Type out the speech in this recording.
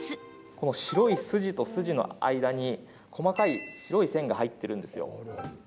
この白い筋と筋の間に細かい白い線が入っているんですよ。